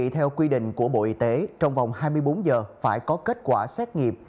theo quy định của bộ y tế trong vòng hai mươi bốn giờ phải có kết quả xét nghiệm